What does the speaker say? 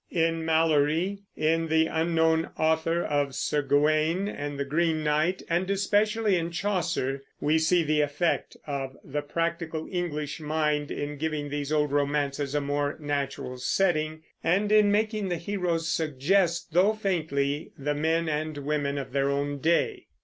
In Malory, in the unknown author of Sir Gawain and the Green Knight, and especially in Chaucer, we see the effect of the practical English mind in giving these old romances a more natural setting, and in making the heroes suggest, though faintly, the men and women of their own day.